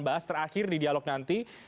bahas terakhir di dialog nanti